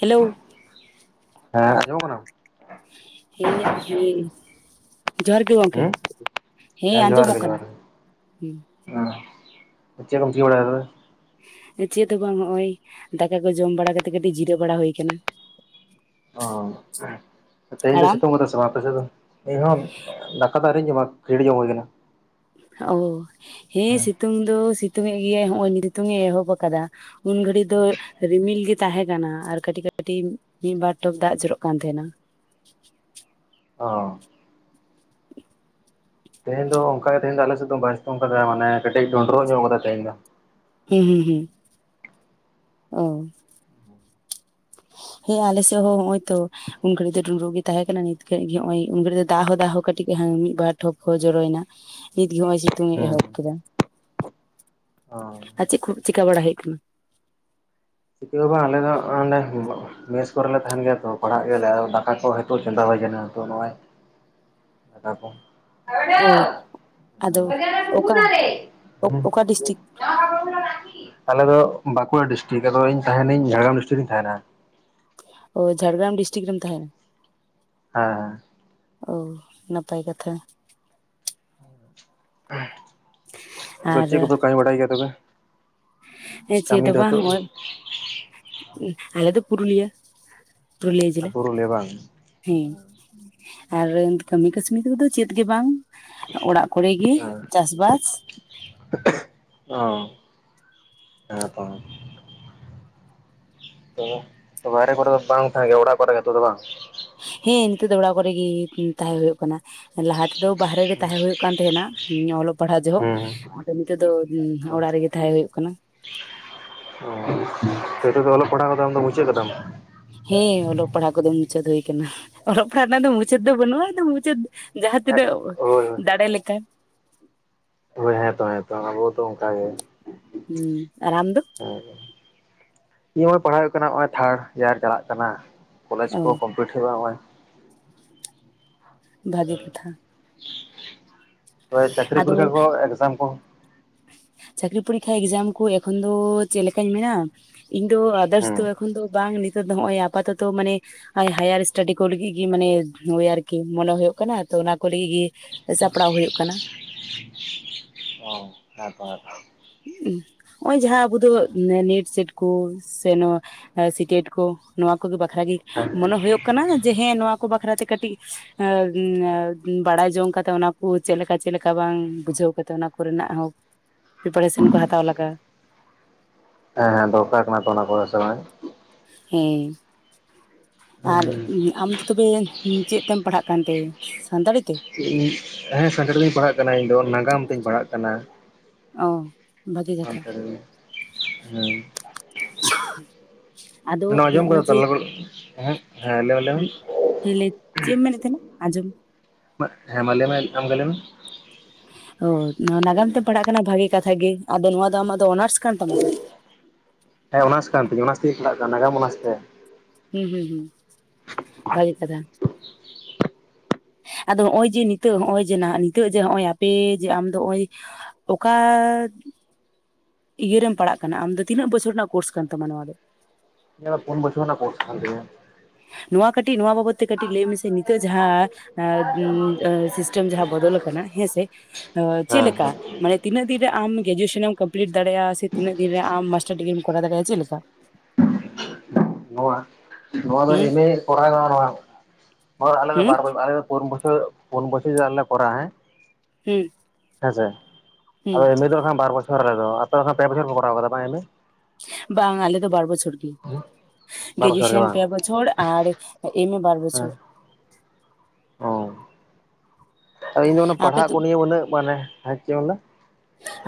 Hello ᱦᱮᱸ ᱟᱸᱡᱚᱢ ᱠᱟᱱᱟ [unintelligible] ᱡᱚᱦᱟᱨ ᱜᱮ ᱜᱚᱝᱠᱮ ᱦᱩᱸ ᱦᱮᱸ ᱟᱸᱡᱚᱢᱚᱜ ᱠᱟᱱᱟ ᱦᱮᱸ ᱟ, ᱪᱮᱫ ᱜᱚᱝᱠᱮ ᱵᱟᱲᱟᱭᱫᱟᱭ? ᱪᱮᱫ ᱦᱚᱸ ᱵᱟᱝ ᱱᱚᱜ-ᱚᱸᱭ ᱫᱟᱠᱟ ᱠᱚ ᱡᱚᱢ ᱵᱟᱲᱟ ᱠᱟᱛᱮᱫ ᱠᱟᱹᱴᱤᱡ ᱡᱤᱨᱟᱹᱣ ᱵᱟᱲᱟ ᱦᱩᱭ ᱠᱟᱱᱟ᱾ ᱚ ᱛᱮᱦᱮᱧ ᱟᱨ ᱫᱚ ᱟᱢ ᱥᱮᱛᱚᱝ ᱠᱚᱫᱟ ᱥᱮ ᱵᱟᱝ ᱟᱯᱮ ᱫᱚ ᱤᱧᱦᱚᱸ ᱫᱟᱠᱟ ᱫᱚ ᱟᱣᱨᱤᱧ ᱡᱚᱢᱟ ᱠᱟᱹᱡᱟᱹᱲᱤ ᱡᱚᱢ ᱦᱩᱭ ᱟᱠᱟᱱᱟ ᱚ ᱦᱮᱸ ᱥᱤᱛᱩᱝ ᱫᱚ ᱥᱤᱛᱩᱝ ᱮᱜ ᱜᱮ ᱦᱚᱜᱼᱚᱭ ᱥᱤᱛᱩᱝ ᱮ ᱮᱦᱚᱵ ᱟᱠᱟᱫᱟ ᱩᱱ ᱜᱷᱟᱹᱲᱤ ᱫᱚ ᱨᱤᱢᱤᱞ ᱜᱮ ᱛᱟᱦᱮᱸ ᱠᱟᱱᱟ ᱟᱨ ᱠᱟᱹᱴᱤᱡ ᱠᱟᱹᱴᱤᱡ ᱢᱤᱫ ᱵᱟᱨ ᱴᱚᱯ ᱫᱟᱜ ᱡᱚᱨᱚᱜ ᱠᱟᱱ ᱛᱟᱦᱮᱱᱟ ᱚ ᱛᱮᱦᱮᱧ ᱫᱚ ᱚᱱᱠᱟ ᱜᱮ ᱛᱮᱦᱮᱧ ᱫᱚ ᱟᱞᱮ ᱥᱮᱫ ᱫᱚ ᱵᱟᱭ ᱥᱩᱛᱩᱝ ᱠᱟᱫᱟ ᱢᱟᱱᱮ ᱠᱟᱹᱴᱤᱡ ᱰᱩᱸᱰᱨᱩᱜ ᱧᱚᱜ ᱠᱟᱫᱟ ᱛᱮᱦᱮᱧ ᱫᱚ ᱦᱮᱸ ᱦᱩᱸ ᱦᱩᱸ ᱚ ᱦᱮᱸ ᱟᱞᱮ ᱥᱮᱜ ᱦᱚᱸ ᱦᱚᱸᱜ-ᱚᱭ ᱛᱚ ᱩᱱ ᱜᱷᱟᱹᱲᱤᱡ ᱫᱚ ᱰᱩᱸᱰᱨᱩᱜ ᱜᱮ ᱛᱟᱦᱮᱸ ᱠᱟᱱᱟ ᱱᱤᱛ ᱠᱷᱚᱡ ᱜᱮ ᱱᱚᱜ-ᱚᱭ ᱩᱱ ᱜᱷᱤᱡ ᱫᱚ ᱫᱟᱜ ᱦᱚᱸ ᱫᱟᱜ ᱦᱚᱸ ᱠᱟᱹᱴᱤᱡ ᱢᱤᱫᱵᱟᱨ ᱴᱷᱚᱯ ᱦᱚᱸ ᱡᱚᱨᱚᱭᱮᱱᱟ ᱱᱤᱛᱜᱮ ᱱᱚᱜ-ᱚᱭ ᱥᱤᱛᱩᱝ ᱮ ᱦᱩᱸ ᱮᱦᱚᱵ ᱠᱮᱫᱟ ᱚ ᱟᱨ ᱪᱮᱫ ᱠᱚ ᱪᱮᱠᱟ ᱵᱟᱲᱟ ᱦᱩᱭᱩᱜ ᱠᱟᱱᱟ ᱪᱤᱠᱟᱹ ᱦᱚᱸ ᱵᱟᱝ ᱟᱞᱮ ᱫᱚ ᱦᱟᱸᱜ [unintelligible] ᱢᱮᱥ ᱠᱚᱨᱮᱞᱮ ᱛᱟᱦᱮᱱ ᱜᱮᱭᱟ ᱛᱚ ᱯᱟᱲᱦᱟᱜ ᱜᱮᱭᱟᱞᱮ ᱟᱨ ᱫᱟᱠᱟ ᱠᱚ ᱦᱚᱭᱛᱚ ᱪᱚᱸᱫᱟ ᱦᱩᱭ ᱠᱟᱱᱟ ᱛᱚ ᱱᱚᱜᱼᱚᱭ ᱟᱫᱟ ᱠᱚ [inaudible] ᱚ ᱟᱫᱚ ᱚᱠᱟ ᱚᱠᱟ ᱰᱤᱥᱴᱤᱠ [inaudible] ᱟᱞᱮ ᱫᱚ ᱵᱟᱸᱠᱩᱲᱟ ᱰᱤᱥᱴᱨᱤᱤᱠ ᱟᱫᱚ ᱤᱧ ᱛᱟᱦᱮᱱᱟᱤᱧ ᱡᱷᱟᱲᱜᱨᱟᱢ ᱰᱤᱥᱴᱤᱠ ᱨᱮᱧ ᱛᱟᱦᱮᱱᱟ ᱚ ᱡᱷᱟᱲᱜᱨᱟᱢ ᱰᱤᱥᱴᱤᱠ ᱨᱮᱢ ᱛᱟᱦᱮᱱᱟ ᱦᱮᱸ ᱦᱮᱸ [inaudible] ᱚ ᱱᱟᱯᱟᱭ ᱠᱟᱛᱷᱟ ᱟᱫᱚ ᱟᱨ ᱪᱮᱫ ᱠᱚᱯᱮ ᱠᱟᱹᱢᱤ ᱵᱟᱲᱟᱭ ᱜᱮᱭᱟ ᱛᱚᱵᱮ ᱦᱮᱸ ᱪᱮᱫ ᱠᱟᱹᱢᱤ ᱦᱚᱸ ᱫᱚ ᱵᱟᱝ ᱱᱤᱛᱚᱜ ᱱᱚᱜᱼᱚᱭ, ᱟᱞᱮ ᱫᱚ ᱯᱩᱨᱩᱞᱤᱭᱟᱹ [unintelligible] ᱠᱩᱞᱤᱭᱮ ᱜᱮᱠᱮ ᱯᱩᱨᱩᱞᱤᱭᱟᱹ ᱵᱟᱝ ᱦᱮᱸ ᱟᱨ ᱠᱟᱹᱢᱤ ᱠᱟᱹᱥᱱᱤ ᱠᱚᱫᱚ ᱪᱮᱫ ᱜᱮ ᱵᱟᱝ ᱚᱲᱟᱜ ᱠᱚᱨᱮᱜᱮ‌ ᱦᱮᱸ ᱪᱟᱥᱵᱟᱥ ᱚ ᱦᱮᱸ ᱛᱚ ᱵᱟᱦᱨᱮ ᱠᱚᱨᱮ ᱫᱚ ᱵᱟᱝ ᱛᱟᱦᱮᱸ ᱜᱮ ᱚᱲᱟᱜ ᱠᱚᱨᱮ ᱜᱮᱛᱚ ᱫᱚ ᱵᱟᱝ [unintelligible] ᱦᱮᱸ ᱱᱤᱛᱚᱜᱜ ᱫᱚ ᱚᱲᱟᱜ ᱠᱚᱨᱮᱜ ᱜᱮ ᱛᱟᱦᱮᱸ ᱦᱩᱭᱩᱜ ᱠᱟᱱᱟ [inaudible] ᱞᱟᱦᱟ ᱛᱮᱫᱚ ᱵᱟᱦᱦᱨᱮ ᱜᱮ ᱛᱟᱦᱮᱸᱳᱭᱳ ᱠᱟᱱ ᱛᱟᱦᱮᱸᱱᱟ ᱚᱞᱚᱜ ᱯᱟᱲᱦᱟᱜ ᱡᱚᱦᱚᱜ ᱦᱩᱸ [unintelligible] ᱟᱫᱚ ᱱᱤᱛᱚᱜᱜ ᱫᱚ ᱚᱲᱟᱜ ᱨᱮᱜᱮ ᱛᱟᱦᱮᱸ ᱦᱩᱭᱩᱜ ᱠᱟᱱᱟ [inaudible] [unintelligible] ᱱᱤᱛᱳᱜ ᱫᱚ ᱚᱞᱚᱜ ᱯᱟᱲᱦᱟᱣ ᱠᱚᱛᱟᱢ ᱫᱚ ᱵᱩᱡᱷᱟᱹᱣ ᱠᱟᱫᱟᱢ ᱦᱮᱸ ᱚᱞᱚᱜ ᱯᱟᱲᱦᱟᱜ ᱠᱚᱫᱚ ᱢᱩᱪᱟᱹᱫ ᱦᱩᱭ ᱟᱠᱟᱱᱟ ᱚᱞᱚᱜ ᱯᱟᱲᱦᱟᱜ ᱨᱮᱱᱟᱜ ᱫᱚ ᱢᱩᱪᱟᱹᱫ ᱫᱚ ᱵᱟᱹᱱᱩᱜᱼᱟ ᱟᱫᱚ ᱢᱩᱪᱟᱹᱫ [unintelligible] ᱡᱟᱦᱟᱸ ᱛᱤᱱᱟᱹᱜ ᱦᱳᱭ ᱫᱟᱲᱮ ᱞᱮᱠᱟ [inaudible] ᱦᱳᱭ ᱦᱮᱸ ᱛᱚ ᱦᱮᱸᱛᱚ ᱟᱵᱚ ᱛᱚ ᱚᱱᱠ ᱜᱮ [unintelligible] ᱦᱩᱸ ᱟᱨ ᱟᱢ ᱫᱚ [unintelligible] ᱱᱧ ᱦᱚᱸᱚᱭ ᱯᱟᱲᱦᱟᱣ ᱦᱩᱭᱩᱜ ᱠᱟᱱᱟ ᱱᱚᱜ ᱚᱚᱭ ᱛᱷᱟᱨᱰ ᱤᱭᱟᱨ ᱪᱟᱞᱟᱜ ᱠᱟᱱᱟ ᱠᱚᱞᱮᱡᱽ ᱚ ᱠᱚ ᱠᱚᱢᱯᱞᱤᱴ ᱦᱩᱭᱩᱜᱼᱟ ᱱᱚᱜ ᱚᱚᱭ [unintelligible] ᱵᱷᱟᱹᱜᱤ ᱠᱟᱛᱷᱟ [unintelligible] ᱳᱭ ᱪᱟᱹᱠᱨᱤ ᱟᱫᱚ ᱯᱚᱨᱤᱠᱠᱷᱟ ᱠᱚ ᱮᱠᱡᱟᱢ ᱠᱚ ᱪᱟᱹᱠᱨᱤ ᱯᱚᱨᱤᱠᱠᱷᱟ ᱮᱠᱡᱟᱢ ᱠᱩ ᱮᱠᱷᱚᱱ ᱫᱚ ᱪᱮᱜ ᱞᱮᱠᱟᱧ ᱢᱮᱱᱟ ᱤᱧ ᱫᱚ ᱟᱫᱟᱨᱥ ᱦᱮᱸ ᱫᱚ ᱮᱠᱚ ᱮᱚᱠᱷᱚᱱ ᱫᱚ ᱵᱟᱝ ᱱᱤᱛᱚᱜ ᱫᱚ ᱦᱚᱸᱜᱼᱚᱭ ᱟᱯᱟᱛᱚᱛᱚ ᱢᱟᱱᱮ ᱦᱟᱭ ᱦᱟᱭᱟᱨ ᱤᱥᱴᱟᱰᱤ ᱠᱚ ᱞᱟᱹᱜᱤᱜᱤ ᱢᱟᱱᱮ ᱳᱭ ᱟᱨᱠᱤ ᱢᱚᱱᱮ ᱦᱳᱭᱳᱜ ᱠᱟᱱᱟ ᱛᱚ ᱚᱱᱟ ᱠᱚ ᱞᱤᱭᱤ ᱜᱤ ᱥᱟᱯᱲᱟᱣ ᱦᱩᱭᱩᱜ ᱠᱟᱱᱟ [unintelligible] ᱦᱚᱸᱜ ᱚᱭ ᱡᱟᱦᱟᱸ ᱟᱵᱚ ᱫᱚ ᱱᱮ ᱱᱮᱴ ᱥᱮᱴ ᱠᱩ ᱥᱮ ᱥᱤᱴᱤᱭᱮᱴ ᱠᱚ ᱱᱚᱣᱟ ᱠᱩᱜᱤ ᱵᱟᱠᱷᱟᱨᱟᱜᱤ ᱦᱮᱸ ᱢᱚᱱᱮ ᱦᱳᱭᱳᱜ ᱠᱟᱱᱟ ᱡᱮ ᱦᱮᱸ ᱱᱚᱣᱟ ᱠᱚ ᱵᱟᱠᱷᱨᱟᱛᱮ ᱠᱟᱹᱴᱤᱜ ᱵᱟᱲᱟᱭ ᱡᱚᱝ ᱠᱟᱛᱮᱜ ᱚᱱᱟ ᱠᱩ ᱪᱮᱜ ᱞᱮᱠᱟ ᱪᱮᱜ ᱞᱮᱠᱟ ᱵᱟᱝ ᱵᱩᱡᱷᱟᱹᱣ ᱠᱟᱛᱮᱜ ᱚᱱᱟ ᱠᱩᱨᱮᱱᱟᱜ ᱦᱚᱸ ᱯᱨᱤᱯᱟᱨᱮᱥᱚᱱ ᱠᱚ ᱦᱟᱛᱟᱣ ᱞᱟᱜᱟᱜᱼᱟ ᱦᱮᱸ ᱦᱮᱸ ᱫᱚᱨᱠᱟᱨ ᱠᱟᱱᱟ ᱛᱚ ᱚᱱᱟ ᱠᱚᱨᱮ ᱥᱮᱦᱮ ᱵᱟᱝ ᱦᱮᱸ ᱟᱨ ᱟᱢ ᱫᱚ ᱛᱚᱵᱮ ᱪᱮᱫ ᱛᱮᱢ ᱯᱟᱲᱦᱟᱜ [inaudible] ᱠᱟᱱᱛᱮ ᱥᱟᱱᱛᱟᱲᱤ ᱛᱮ [inaudible] ᱤᱧ ᱦᱮᱸ ᱥᱮᱸᱴᱮᱞ ᱫᱚᱧ ᱯᱟᱲᱦᱟᱜ ᱠᱟᱱᱟ ᱤᱧ ᱫᱚ ᱱᱟᱜᱟᱢ ᱛᱮᱧ ᱯᱟᱲᱦᱟᱜ ᱠᱟᱱᱟ [unintelligible] ᱚᱸ ᱥᱟᱱᱛᱟᱞᱤ ᱦᱩᱸ ᱟᱫᱚ ᱱᱚᱣᱟ ᱟᱸᱡᱚᱢ ᱟᱠᱟᱫᱟᱢ [unintelligible] ᱮᱸᱦᱮᱜ [unintelligible] ᱪᱤᱜ ᱮᱢ ᱢᱮᱱ ᱮᱜ ᱛᱟᱸᱦᱮᱱᱟ ᱟᱡᱚᱢ ᱦᱮᱸ ᱢᱟ ᱞᱟᱹᱭ ᱢᱮ ᱟᱢᱜᱮ ᱞᱟ. ᱭ ᱢᱮ ᱚ ᱱᱚᱣᱟ ᱱᱟᱜᱟᱢ ᱛᱮᱢ ᱯᱟᱲᱦᱟᱜ ᱠᱟᱱᱟ ᱵᱷᱟᱜᱤ ᱠᱟᱛᱷᱟ ᱜᱮ ᱟᱫᱚ ᱱᱚᱣᱟ ᱫᱚ ᱟᱢᱟᱜ ᱫᱚ ᱚᱱᱟᱨᱥ ᱠᱟᱱ ᱛᱟᱢᱟ ᱛᱚ ᱦᱮᱸ ᱚᱱᱟᱥ ᱠᱟᱱ ᱛᱤᱧᱟ ᱚᱱᱟᱥ ᱛᱤᱧ ᱯᱟᱬᱦᱟᱜ ᱠᱟᱱᱟ ᱱᱟᱜᱟᱢ ᱚᱱᱟᱥᱛᱮ ᱦᱩᱸ ᱦᱩᱸ ᱦᱩᱸ ᱵᱷᱟᱜᱤ ᱠᱟᱛᱷᱟ ᱟᱫᱚ ᱦᱚᱸᱜᱼᱚᱭ ᱡᱤ ᱱᱤᱛᱟ. ᱱᱚᱜᱼᱚᱭ ᱡᱮ ᱱᱟᱦᱟᱜ ᱱᱤᱛᱚᱜ ᱡᱮ ᱱᱚᱜᱼᱚᱭ ᱟᱯᱮ ᱡᱮ ᱟᱢᱫᱚ ᱚᱸᱜᱼᱚᱭ ᱚᱠᱟᱛ ᱤᱭᱟᱹᱨᱮᱢ ᱯᱟᱲᱟᱜ ᱠᱟᱱᱟ ᱟᱢ ᱫᱚ ᱛᱤᱱᱟᱹᱜ ᱵᱚᱪᱷᱚᱨ ᱨᱮᱱᱟᱜ ᱠᱳᱨᱥ ᱠᱟᱱ ᱛᱟᱢᱟ ᱱᱚᱣᱟ ᱫᱚ ᱤᱧᱟᱜ ᱫᱚ ᱯᱳᱱ ᱵᱚᱪᱷᱚᱨ ᱨᱮᱱᱟᱜ ᱠᱳᱥ ᱠᱟᱱ ᱛᱤᱧᱟ. ᱱᱚᱣᱟ ᱠᱟᱹᱴᱤᱡ ᱱᱚᱣᱟ ᱵᱟᱵᱚᱛ ᱛᱮ ᱠᱟᱹᱴᱤᱡ ᱞᱟᱹᱭ ᱢᱮᱥᱮ ᱱᱤᱛᱚᱜ ᱡᱟᱦᱟᱸ ᱮᱸᱻ ᱥᱤᱥᱴᱮᱢ ᱡᱟᱦᱟᱸ ᱵᱚᱫᱚᱞ ᱟᱠᱟᱱᱟ ᱦᱮᱸᱥᱮ ᱦᱚ ᱪᱮᱜ ᱦᱮᱸ ᱞᱮᱠᱟ ᱦᱮᱸ ᱢᱟᱱᱮ ᱛᱤᱱᱟᱹᱜ ᱫᱤᱱ ᱨᱮ ᱟᱢ ᱜᱮᱡᱩᱭᱮᱥᱮᱱ ᱱᱮᱢ ᱠᱟᱢᱯᱞᱤᱴ ᱫᱟᱲᱮᱭᱟᱜᱼᱟ ᱥᱮ ᱛᱤᱱᱟᱹ ᱫᱤᱱ ᱨᱮ ᱟᱢ ᱢᱟᱥᱴᱟᱨ ᱰᱤᱜᱨᱤᱢ ᱠᱚᱨᱟᱣ ᱫᱟᱲᱮᱭᱟᱜᱼᱟ ᱪᱮᱜ ᱞᱮᱠᱟ ᱱᱚᱣᱟ ᱱᱚᱣᱟ ᱫᱚ ᱦᱩᱸ ᱮᱢᱮ ᱠᱚᱨᱟᱣ [unintelligible] ᱚᱲᱟᱜ ᱦᱚᱲ ᱟᱞᱨᱮ ᱦᱩᱸ ᱵᱟᱨ ᱵᱚᱭ ᱟᱞᱮ ᱫᱚ ᱯᱳᱱ ᱵᱚᱪᱚᱭ ᱯᱳᱱ ᱵᱚᱪᱷᱚᱭ ᱡᱩᱫᱤ ᱟᱞᱮ ᱠᱚᱨᱟᱣᱟ ᱦᱮᱸ ᱦᱩᱸ ᱦᱮᱸᱥᱮ ᱦᱩᱸ ᱟᱫᱚ ᱮᱢᱮ. ᱫᱚᱠᱷᱟᱱ ᱵᱟᱨ ᱵᱚᱪᱷᱚᱨ ᱟᱞᱮᱫᱚ ᱟᱯᱮ ᱫᱚ ᱱᱟᱦᱟᱜ ᱯᱮ ᱵᱚᱪᱷᱚᱨ ᱯᱮ ᱠᱚᱨᱟᱣ ᱟᱠᱟᱫᱟ ᱵᱟᱝ ᱮᱢᱮ ᱵᱟᱝ ᱟᱞᱮ ᱫᱚ ᱵᱟᱨ ᱵᱚᱪᱷᱚᱨ ᱜᱤ ᱵᱟᱨ ᱵᱚᱪᱷᱚᱨ ᱜᱮ ᱜᱨᱮᱡᱩᱭᱮᱥᱮᱱ ᱵᱟᱝ ᱯᱮ ᱵᱚ ᱪᱷᱚᱲ ᱟᱲ ᱮᱢᱮ ᱵᱟᱨ ᱵᱚᱪᱷᱚᱨ ᱦᱮᱸ ᱚ ᱤᱧ ᱫᱚ ᱩᱱᱟ. ᱜ ᱟᱯᱮ ᱯᱟᱲᱦᱟᱜ ᱫᱚ ᱠᱚ ᱱᱤᱭᱟᱹ ᱩᱱᱟᱹᱜ ᱢᱟᱱᱮ ᱦᱮᱸ ᱪᱮᱜ ᱮ ᱚᱞᱫᱟ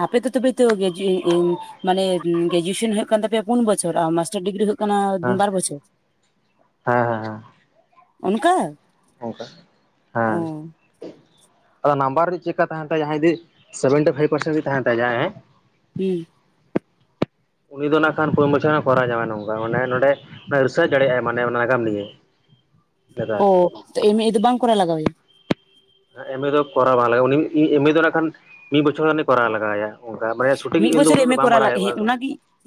ᱟᱯᱮ ᱫᱚ ᱛᱚᱵᱮᱛᱚ ᱜᱮᱡᱩᱭᱤᱱ ᱤᱱ ᱢᱟᱱᱮ ᱜᱨᱮᱡᱩᱭᱮᱥᱮᱱ ᱦᱩᱭᱩᱜ ᱠᱟᱱ ᱛᱟᱯᱮᱭᱟ ᱯᱩᱱ ᱵᱚᱪᱷᱚᱨ ᱟᱨ ᱢᱟᱥᱴᱟᱨ ᱰᱤᱜᱨᱤ ᱦᱩᱭᱩᱜ ᱠᱟᱱᱟ ᱦᱮᱸ ᱵᱟᱨ ᱵᱚᱪᱷᱚᱨ ᱦᱮᱸ ᱦᱮᱸ ᱦᱮᱸ ᱚᱱᱠᱟ ᱚᱱᱠᱟ ᱚ ᱦᱮᱸ ᱟᱫᱚ ᱱᱟᱢᱵᱟᱨ ᱨᱤᱜ ᱪᱮᱜᱠᱟ ᱛᱟᱦᱮᱱ ᱛᱟᱭᱟ ᱡᱟᱦᱟᱭᱫᱤ ᱥᱮᱵᱷᱮᱱᱴᱤ ᱯᱷᱟᱭᱤᱯ ᱯᱟᱨᱥᱮᱱ ᱡᱩᱫᱤ ᱛᱟᱦᱮᱱ ᱛᱟᱭᱟ ᱦᱮᱸ ᱦᱩᱸ ᱩᱱᱤ ᱫᱚ ᱱᱟᱸᱜ ᱠᱷᱟᱱ ᱯᱩᱱ ᱵᱚᱪᱷᱚᱨ ᱮ ᱠᱚᱨᱟᱣ ᱧᱟᱢᱟᱭ ᱱᱚᱝᱠᱟ ᱢᱚᱱᱮ ᱱᱚᱸᱰᱮ ᱨᱤᱥᱟᱨᱪ ᱫᱟᱲᱮᱭᱟᱜᱼᱟᱭ ᱢᱟᱱᱮ ᱚᱱᱟ ᱱᱟᱜᱟᱢ ᱞᱤᱭᱟ. [inaudible] ᱚ ᱮᱢᱮ ᱫᱚ ᱵᱟᱝ ᱠᱚᱨᱟᱣ ᱞᱟᱜᱟᱣ ᱟᱭᱟ ᱮᱸᱜ ᱮᱢᱮ ᱫᱚ ᱠᱚᱨᱟᱣ ᱵᱟᱝ ᱞᱟᱜᱟᱼᱟ ᱩᱱᱤ ᱮᱢᱮ ᱫᱚ ᱱᱟᱸᱜ ᱠᱷᱟᱱ ᱢᱤᱜ ᱵᱚᱪᱷᱚᱨ ᱦᱟᱱᱮ ᱠᱚᱨᱟᱣ ᱞᱟᱜᱟᱣᱮᱭᱟ᱾ ᱚᱱᱠᱟ ᱢᱟᱱᱮ ᱥᱩᱴᱤᱜᱤ ᱤᱧ ᱫᱚ ᱩᱱᱟᱹᱜ ᱫᱚ ᱵᱟᱢ ᱵᱟᱲᱟᱭᱚᱜᱼᱟ ᱫᱚ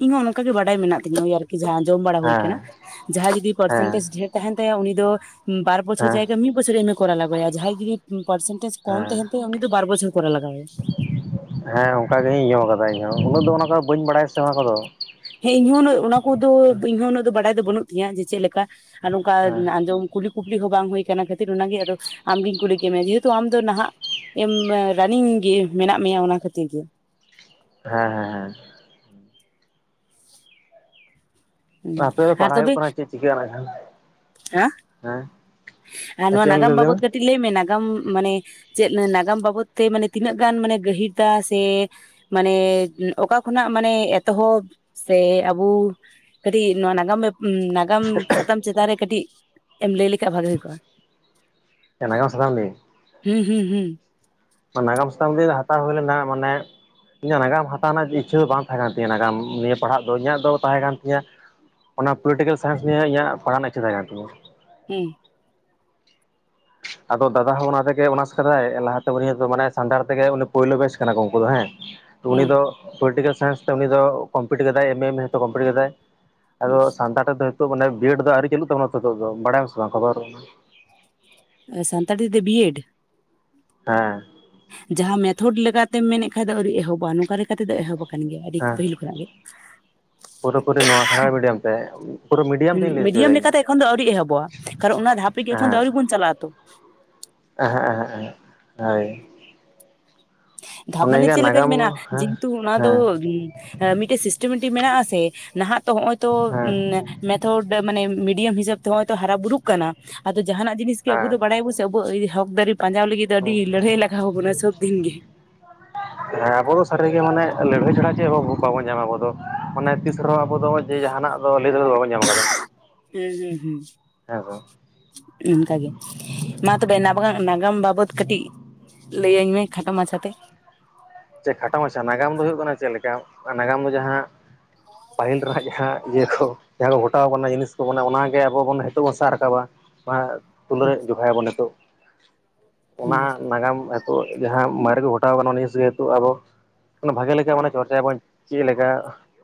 ᱤᱧᱦᱚᱸ ᱚᱱᱚᱝᱠᱟ ᱜᱮ ᱵᱟᱰᱟᱭ ᱢᱮᱱᱟᱜ ᱛᱤᱧᱟ ᱳᱭᱟᱨ ᱠᱤ ᱡᱟᱦᱟᱸ ᱟᱸᱡᱚᱢ ᱵᱟᱲᱟ ᱦᱩᱭ ᱠᱟᱱᱟ ᱦᱮᱸ ᱡᱟᱦᱟᱸᱭ ᱡᱩᱫᱤ ᱦᱮᱸ ᱯᱟᱨᱥᱮᱱᱴᱡᱽ ᱰᱷᱮᱨ ᱛᱟᱦᱮᱱ ᱛᱟᱭᱟ ᱩᱱᱤ ᱫᱚ ᱵᱟᱨ ᱵᱚᱪᱷᱚᱨ ᱦᱮᱸ ᱡᱟᱭᱜᱟ ᱢᱤᱫ ᱵᱚᱪᱷᱚᱨᱮ ᱮᱢ ᱠᱚᱨᱟᱣ ᱞᱟᱜᱟᱣᱟᱭᱟ ᱡᱟᱦᱟᱸᱭ ᱡᱩᱫᱤ ᱯᱟᱨᱥᱮᱱᱴᱮᱡᱽ ᱠᱚᱢ ᱦᱮᱸ ᱛᱟᱦᱮᱱ ᱛᱟᱭᱟ ᱩᱱᱤ ᱫᱚ ᱵᱟᱨ ᱵᱚᱪᱷᱚᱨ ᱠᱚᱨᱟᱣ ᱞᱟᱜᱟᱣᱟᱭᱟ᱾ ᱦᱮᱸ ᱚᱱᱠᱟᱜᱤ ᱤᱧ ᱦᱚᱸ ᱟᱸᱡᱚᱢᱨ ᱠᱟᱫᱟ ᱤᱧ ᱦᱚᱸ ᱩᱱᱟᱹᱜ ᱫᱚ ᱚᱱᱟ ᱠᱚ ᱵᱟᱹᱧ ᱵᱟᱲᱟᱭᱟ ᱥᱮ ᱚᱱᱟ ᱠᱚᱫᱚ ᱦᱮ ᱤᱧᱦᱟᱸ ᱩᱱᱟᱹᱜ ᱚᱱᱟ ᱠᱚᱫᱚ ᱤᱧ ᱩᱱᱟᱹᱜ ᱵᱟᱰᱟᱭ ᱫᱚ ᱵᱟᱹᱱᱩᱜ ᱛᱤᱧᱟᱹ ᱡᱮ ᱪᱮᱫ ᱞᱮᱠᱟ ᱟᱨ ᱱᱚᱝᱠᱟ ᱦᱮᱸ ᱟᱸᱡᱚᱢ ᱠᱩᱞᱤ ᱠᱩᱯᱞᱤ ᱦᱚᱸ ᱵᱟᱝ ᱦᱩᱭ ᱠᱟᱱᱟ ᱠᱷᱟᱹᱛᱤᱨ ᱚᱱᱟᱜᱮ ᱟᱫᱚ ᱟᱢᱜᱤᱧ ᱠᱩᱞᱤ ᱠᱮᱫ ᱢᱮᱭᱟ ᱡᱮᱦᱮᱛᱩ ᱟᱢ ᱫᱚ ᱱᱟᱦᱟᱸᱜ ᱮᱢ ᱨᱟᱱᱤᱝ ᱜᱮ ᱢᱮᱱᱟᱜ ᱢᱮᱭᱟ ᱚᱱᱟ ᱠᱷᱟᱹᱛᱤᱨ ᱜᱮ ᱦᱮᱸ ᱦᱮᱸ ᱦᱮᱸ ᱦᱩᱸ ᱟᱯᱮ ᱫᱚ ᱟᱨ ᱯᱟᱲᱦᱟᱣ ᱦᱩᱭᱩᱜ ᱛᱚᱵᱮ ᱠᱟᱱᱟ ᱪᱮᱫ ᱪᱤᱠᱟᱹ ᱱᱟᱸᱜ ᱠᱷᱚᱱ ᱦᱮᱸ ᱦᱮᱸ ᱱᱚᱣᱟ ᱪᱮᱫ ᱮᱢ ᱱᱟᱜᱟᱢ ᱞᱟᱹᱭ ᱵᱟᱵᱚᱫ ᱠᱟ ᱞᱮᱫᱟ ᱠᱟᱹᱴᱤᱡᱽ ᱞᱟᱹᱭ ᱢᱮ ᱱᱟᱜᱟᱢ ᱢᱟᱱᱮ ᱪᱮᱫ ᱱᱟᱜᱟᱢ ᱵᱟᱵᱚᱫ ᱛᱮ ᱢᱟᱱᱮ ᱛᱤᱱᱟᱹᱜ ᱜᱟᱱ ᱢᱟᱱᱮ ᱜᱟᱹᱦᱤᱨ ᱫᱟ ᱥᱮ ᱢᱟᱱᱮ ᱚᱠᱟ ᱠᱷᱚᱱᱟᱜ ᱢᱟᱱᱮ ᱮᱛᱚᱦᱚᱵᱽ ᱥᱮ ᱟᱵᱚ ᱠᱟᱹᱴᱤᱡᱽ ᱱᱚᱣᱟ ᱱᱟᱜᱟᱢ ᱱᱟ ᱠᱟᱢ ᱥᱟᱛᱟᱢ ᱪᱮᱛᱟᱱ ᱨᱮ ᱠᱟᱹᱴᱤᱡᱽ ᱮᱢ ᱞᱟᱹᱭ ᱞᱮᱠᱷᱟᱜ ᱵᱷᱟᱜᱮ ᱦᱩᱭ ᱠᱚᱜᱼᱟ᱾ ᱱᱟᱜᱟᱢ ᱥᱟᱛᱟᱢ ᱞᱤᱭᱮ ᱦᱩᱸ ᱦᱩᱸ ᱦᱩᱸ ᱱᱟᱜᱟᱢ ᱥᱟᱛᱟᱢ ᱱᱤᱡᱮ ᱫᱚ ᱦᱟᱛᱟᱣ ᱦᱩᱭ ᱞᱮᱱᱟ ᱢᱮᱱᱮ ᱤᱧᱟᱹᱜ ᱱᱟᱜᱟᱢ ᱦᱟᱛᱟᱣ ᱨᱮᱱᱟᱜ ᱤᱪᱪᱷᱟᱹ ᱫᱚ ᱵᱟᱝ ᱛᱟᱦᱮᱸ ᱠᱟᱱ ᱛᱤᱧᱟᱹ ᱱᱟᱜᱟᱢ ᱱᱤᱭᱟᱹ ᱯᱟᱲᱦᱟᱜ ᱫᱚ ᱤᱧᱟᱹᱜ ᱫᱚ ᱛᱟᱦᱮ ᱠᱟᱱ ᱛᱤᱧᱟᱹ ᱚᱱᱟ ᱯᱚᱞᱤᱴᱤᱠᱟᱞ ᱥᱟᱭᱮᱱᱥ ᱱᱤᱭᱟᱹ ᱤᱧᱟᱹᱜ ᱯᱟᱲᱦᱟᱜ ᱤᱪᱪᱷᱟᱹ ᱛᱟᱦᱮᱸᱠᱟᱱ ᱛᱤᱧᱟ᱾ ᱦᱩ ᱟᱫᱚ ᱫᱟᱫᱟ ᱦᱚᱸ ᱚᱱᱟ ᱛᱮᱜᱮ ᱚᱱᱟᱥ ᱠᱟᱫᱟᱭ ᱞᱟᱦᱟᱛᱮ ᱩᱱᱤ ᱫᱚ ᱢᱟᱱᱮ ᱥᱟᱱᱛᱟᱲ ᱛᱮᱜᱮ ᱩᱱᱤ ᱯᱳᱭᱞᱳ ᱵᱮᱡᱽ ᱠᱟᱱᱟ ᱠᱚ ᱩᱱᱠᱩ ᱫᱚ ᱦᱮᱸ ᱩᱱᱤ ᱦᱩᱸ ᱫᱚ ᱯᱚᱞᱤᱴᱤᱠᱮᱞ ᱥᱟᱭᱮᱱᱥ ᱛᱮ ᱩᱱᱤ ᱫᱚ ᱠᱚᱢᱯᱞᱤᱴ ᱠᱟᱫᱟᱭ ᱮᱢ ᱮ ᱮᱢ ᱦᱚᱛᱚ ᱠᱚᱢᱯᱞᱤᱴ ᱠᱟᱫᱟᱭ᱾ ᱟᱫᱚ ᱦᱩᱸ ᱥᱟᱱᱛᱟᱲ ᱛᱮᱫᱚ ᱱᱤᱛᱚᱜ ᱢᱟᱱᱮ ᱵᱤᱭᱮᱰ ᱫᱚ ᱟᱹᱣᱨᱤ ᱪᱟᱹᱞᱩᱜ ᱛᱟᱵᱚᱱᱟ ᱱᱤᱛ ᱫᱚ ᱵᱟᱲᱟᱭᱟᱥᱮ ᱵᱟᱝ ᱠᱷᱚᱵᱚᱨ ᱥᱟᱱᱛᱟᱲᱤ ᱛᱮ ᱵᱤ ᱮᱰ ᱦᱮᱸ ᱡᱟᱦᱟᱸ ᱢᱮᱛᱷᱚᱰ ᱞᱮᱠᱟᱛᱮᱢ ᱢᱮᱱᱮᱫ ᱠᱷᱟᱱ ᱫᱚ ᱟᱹᱣᱨᱤ ᱮᱦᱚᱵᱚᱜ-ᱟ ᱱᱚᱝᱠᱟ ᱨᱮ ᱱᱚᱸᱠᱟ ᱛᱮᱫᱚ ᱮᱦᱚᱵᱽ ᱟᱠᱟᱱ ᱜᱮᱭᱟ ᱟᱹᱰᱤ ᱦᱮᱸ ᱯᱟᱹᱦᱤᱞ ᱠᱷᱚᱱᱟᱜ ᱜᱮ᱾ ᱯᱩᱨᱟᱹ ᱯᱩᱨᱤ ᱱᱚᱣᱟ ᱥᱟᱱᱛᱟᱲ ᱢᱤᱰᱤᱭᱟᱢ ᱛᱮ ᱯᱩᱨᱟᱹ ᱢᱤᱰᱤᱭᱟᱢ ᱛᱤᱧ ᱞᱟᱹᱭ ᱦᱚᱪᱚᱭᱮᱫᱟ ᱢᱤᱰᱤᱭᱟᱢ ᱤᱧ ᱞᱮᱠᱟᱛᱮ ᱮᱠᱷᱚᱱ ᱫᱚ ᱟᱹᱣᱨᱤ ᱮᱦᱚᱵᱚᱜ-ᱟ ᱠᱟᱨᱚᱱ ᱚᱱᱟ ᱫᱷᱟᱯ ᱮᱯᱠᱤᱡᱮᱥᱚᱱ ᱟᱹᱣᱨᱤ ᱵᱚᱱ ᱪᱟᱞᱟᱜ ᱟᱛᱚ ᱮᱦᱮᱜ ᱮᱦᱮᱜ ᱮᱦᱮᱜ ᱦᱳᱭ ᱫᱷᱟᱯ ᱢᱟᱱᱮ ᱚᱱᱮᱜᱮ ᱪᱮᱫ ᱞᱮᱠᱟᱧ ᱱᱟᱜᱟᱢ ᱢᱮᱱᱟ ᱦᱮᱸ ᱡᱮᱦᱮᱛᱩ ᱚᱱᱟ ᱫᱚ ᱦᱮᱸ ᱢᱤᱫᱴᱮᱡ ᱥᱤᱥᱴᱮᱢᱮᱴᱤ ᱢᱮᱱᱟᱜᱼ ᱟ ᱥᱮ ᱱᱟᱦᱟᱸᱜ ᱛᱚ ᱱᱚᱜ-ᱚᱭ ᱛᱚ ᱦᱮᱸ ᱢᱮᱛᱷᱚᱰ ᱢᱟᱱᱮ ᱢᱤᱰᱤᱭᱟᱢ ᱦᱤᱥᱟᱹᱵᱽ ᱱᱚᱜᱼᱚᱭ ᱦᱟᱨᱟ ᱵᱩᱨᱩᱜ ᱠᱟᱱᱟ ᱟᱫᱚ ᱡᱟᱦᱟᱱᱟᱜ ᱡᱤᱱᱤᱥ ᱟᱵᱚ ᱦᱮᱸ ᱫᱚ ᱵᱟᱲᱟᱭ ᱵᱚᱱ ᱥᱮ ᱟᱵᱚ ᱦᱚᱠ ᱫᱟᱹᱨᱮ ᱯᱟᱸᱡᱟᱣ ᱞᱟᱹᱜᱤᱫ ᱫᱚ ᱟᱹᱰᱤ ᱞᱟᱹᱲᱦᱟᱹᱭ ᱞᱟᱜᱟᱣ ᱵᱚᱱᱟ ᱥᱚᱵᱫᱤᱱ ᱜᱮ [unintelligible] ᱦᱮᱸ ᱟᱵᱚ ᱫᱚ ᱥᱟᱹᱨᱤᱜᱮ ᱢᱟᱱᱮ ᱞᱟᱹᱲᱦᱟᱹᱭ ᱪᱷᱟᱲᱟ ᱪᱮᱫ ᱦᱚ ᱵᱟᱵᱚᱱ ᱧᱟᱢᱟ ᱟᱵᱚ ᱢᱟᱱᱮ ᱛᱤᱥ ᱨᱮᱦᱚᱸ ᱟᱵᱚ ᱫᱚ ᱡᱮ ᱡᱟᱦᱟᱱᱟᱜ ᱫᱚ ᱞᱟᱹᱭ ᱛᱮᱫᱚ ᱫᱚ ᱵᱟᱵᱚᱱ ᱧᱟᱢ ᱠᱟᱫᱟ᱾ ᱦᱮᱸ ᱦᱩᱸ ᱦᱩᱸ ᱚᱱᱠᱟᱜᱮ ᱢᱟ ᱛᱚᱵᱮ ᱱᱟᱵᱜ ᱱᱟᱜᱟᱢ ᱵᱟᱵᱚᱫ ᱠᱟᱹᱴᱤᱡᱽ ᱞᱟᱹᱭᱟᱹᱧ ᱢᱮ ᱠᱷᱟᱴᱚ ᱢᱟᱪᱷᱟ ᱛᱮ᱾ ᱪᱮ ᱠᱷᱟᱴᱚ ᱢᱟᱪᱷᱟ ᱱᱟᱜᱟᱢ ᱫᱚ ᱦᱩᱭᱩᱜ ᱠᱟᱱᱟ ᱪᱮᱫ ᱞᱮᱠᱟ ᱱᱟᱜᱟᱢ ᱫᱚ ᱡᱟᱦᱟᱸ ᱯᱟᱹᱦᱤᱞ ᱨᱮᱱᱟᱜ ᱡᱟᱦᱟᱸ ᱤᱭᱟᱹ ᱠᱚ ᱡᱟᱦᱟᱸ ᱠᱚ ᱜᱷᱚᱴᱟᱣ ᱵᱚᱱᱟ ᱡᱤᱱᱤᱥ ᱠᱚᱵᱚ ᱚᱱᱟᱜᱮ ᱟᱵᱚ ᱵᱚᱱ [unintelligible] ᱵᱚᱱ ᱥᱟᱵ ᱨᱟᱠᱟᱵᱟ ᱛᱩᱞᱟᱹ ᱡᱚᱠᱷᱟᱭᱟᱵᱚᱱ ᱱᱤᱛᱚᱜ ᱚᱱᱟ ᱦᱩᱸ ᱱᱟᱜᱟᱢ ᱛᱚ ᱡᱟᱦᱟᱸ ᱢᱟᱨᱮ ᱠᱚ ᱜᱷᱚᱴᱟᱣ ᱠᱟᱱᱟ ᱩᱱᱤᱥ ᱜᱮᱛᱩ ᱟᱵᱚ ᱵᱷᱟᱜᱮ ᱞᱮᱠᱟ ᱢᱮ ᱪᱚᱨᱪᱟᱭᱟᱵᱚᱱ ᱪᱮᱫ ᱞᱮᱠᱟ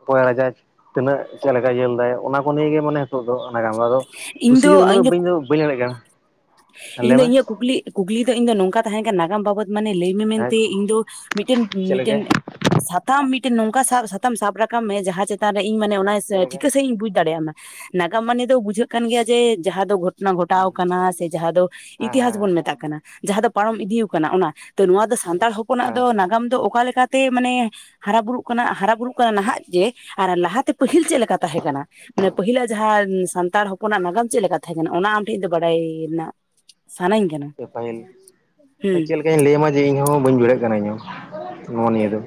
ᱚᱠᱚᱭ ᱨᱟᱡᱟ ᱛᱤᱱᱟᱹᱜ ᱪᱮᱫᱠᱟᱭ ᱧᱮᱞ ᱫᱟᱭ ᱚᱱᱟ ᱠᱚ ᱱᱤᱭᱮ ᱢᱟᱱᱮ ᱱᱤᱛᱚᱜ ᱫᱚ ᱚᱱᱟ ᱫᱚ ᱟᱫᱚ ᱠᱩᱥᱤ ᱩᱱᱟᱹᱜ ᱫᱚ ᱵᱟᱹᱧ ᱫᱚ ᱵᱟᱹᱧ ᱫᱟᱲᱮᱜ ᱠᱟᱱᱟ ᱤᱧ ᱞᱟᱹᱭ ᱫᱚ ᱢᱮ ᱤᱧᱟᱹᱜ ᱠᱩᱠᱞᱤ ᱠᱩᱠᱞᱤ ᱫᱚ ᱤᱧ ᱫᱚ ᱱᱚᱝᱠᱟ ᱛᱟᱦᱮᱸ ᱠᱟᱱᱟ ᱱᱟᱜᱟᱢ ᱵᱟᱵᱚᱫ ᱢᱟᱱᱮ ᱞᱟᱹᱭ ᱦᱮᱸ ᱢᱮᱱᱛᱮ ᱤᱧ ᱫᱚ ᱢᱤᱫᱴᱮᱱ ᱪᱮᱫ ᱞᱮᱠᱟ ᱢᱤᱫᱴᱮᱱ ᱥᱟᱛᱟᱢ ᱢᱤᱫᱴᱮᱱ ᱱᱚᱝᱠᱟ ᱥᱟᱵ ᱥᱟᱛᱟᱢ ᱥᱟᱵ ᱨᱟᱠᱟᱵ ᱢᱮ ᱡᱟᱦᱟᱸ ᱪᱮᱛᱟᱱ ᱨᱮ ᱤᱧ ᱢᱟᱱᱮ ᱚᱱᱟ ᱪᱮᱫ ᱞᱮᱠᱟ ᱴᱷᱤᱠᱟᱹ ᱥᱟᱺᱦᱤᱡ ᱤᱧ ᱵᱩᱡ ᱫᱟᱲᱮᱭᱟᱜ ᱢᱟ ᱱᱟᱜᱟᱢ ᱢᱟᱱᱤ ᱫᱚ ᱵᱩᱡᱷᱟᱹᱜ ᱠᱟᱱ ᱜᱮᱭᱟ ᱡᱮ ᱡᱟᱦᱟᱸ ᱫᱚ ᱜᱷᱚᱴᱚᱱᱟ ᱜᱷᱚᱴᱟᱣ ᱦᱩᱸ ᱠᱟᱱᱟ ᱥᱮ ᱡᱟᱦᱟᱸ ᱫᱚ ᱦᱮᱸ ᱤᱛᱤᱦᱟᱥ ᱵᱚᱱ ᱢᱮᱛᱟᱜ ᱠᱟᱱᱟ ᱡᱟᱦᱟᱸ ᱫᱚ ᱯᱟᱨᱚᱢ ᱤᱫᱤ ᱠᱟᱱᱟ ᱚᱱᱟ ᱱᱚᱣᱟ ᱫᱚ ᱥᱟᱱᱛᱟᱲ ᱦᱚᱯᱚᱱ ᱦᱚᱯᱚᱱᱟᱜ ᱫᱚ ᱦᱮᱸ ᱱᱟᱜᱟᱢ ᱫᱚ ᱚᱠᱟᱞᱮ ᱞᱮᱠᱟᱛᱮ ᱢᱟᱱᱮ ᱦᱟᱨᱟ ᱵᱩᱨᱩᱜ ᱠᱟᱱᱟ ᱦᱟᱨᱟ ᱵᱩᱨᱩᱜ ᱠᱟᱱᱟ ᱱᱟᱦᱟᱜ ᱡᱮ ᱟᱨ ᱞᱟᱦᱟᱛᱮ ᱯᱟᱹᱦᱤᱞ ᱪᱮᱫ ᱞᱮᱠᱟ ᱛᱟᱦᱮᱸ ᱠᱟᱱᱟ ᱢᱟᱱᱮ ᱯᱟᱹᱦᱤᱞᱟᱜ ᱡᱟᱦᱟᱸ ᱥᱟᱱᱛᱟᱲ ᱦᱚᱯᱚᱱᱟᱜ ᱱᱟᱜᱟᱢ ᱪᱮᱫᱞᱮᱠᱟ ᱛᱟᱦᱮᱸ ᱠᱟᱱᱟ ᱚᱱᱟ ᱟᱢᱴᱷᱮᱱ ᱫᱚ ᱵᱟᱲᱟᱭᱮᱱᱟ ᱥᱟᱱᱟᱧ ᱯᱨᱚᱯᱷᱟᱭᱤᱞ ᱦᱩᱸ ᱪᱮᱫ ᱞᱮ ᱪᱟᱹᱧ ᱞᱟᱹᱭᱟᱢᱟ ᱡᱮ ᱤᱧᱦᱚ ᱵᱟᱹᱧ ᱵᱩᱲᱦᱟᱹᱜ ᱠᱟᱱᱟ ᱤᱧ ᱱᱚᱣᱟ ᱱᱤᱭᱟᱹ ᱫᱚ